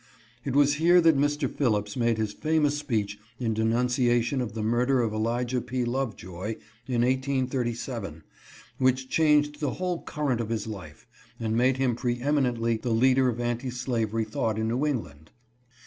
It was here that Mr. Phillips made his famous speech in denunciation of the murder of Elijah P. Lovejoy in 1837, which changed the whole current of his life, and made him pre eminently the leader of anti slavery thought in New England.